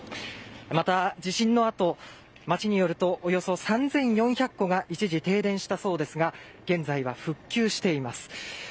また、地震の後町によるとおよそ３４００戸が一時、停電したそうですが現在は復旧しています。